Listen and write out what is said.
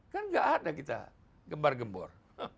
kan gak ada kita gemar gembor